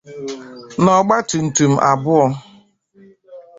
na ọgbaatumtum abụọ.